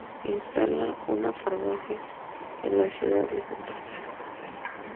Instala una farmacia en la ciudad de Santa Fe.